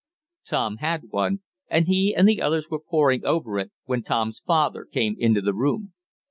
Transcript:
Tom had one, and he and the others were pouring over it when Tom's father came into the room.